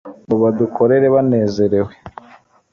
ngobadukorere banezerewe